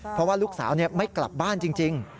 เพราะว่าลูกสาวไม่กลับบ้านจริง